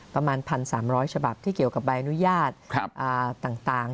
ประมาณ๑๓๐๐ฉบับที่เกี่ยวกับใบอนุญาตต่าง